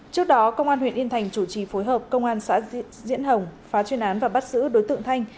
trước đó công an huyện yên thành chủ trì phối hợp công an xã diễn hồng phá chuyên án và bắt giữ đối tượng thanh